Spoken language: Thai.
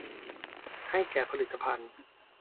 ให้แก่ผลิตภัณฑ์